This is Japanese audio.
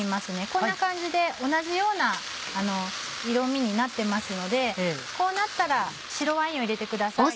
こんな感じで同じような色みになってますのでこうなったら白ワインを入れてください。